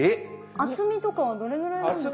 厚みとかはどれぐらいなんですかね？